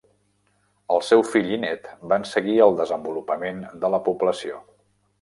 El seu fill i nét van seguir el desenvolupament de la població.